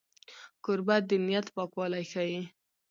کوربه د نیت پاکوالی ښيي.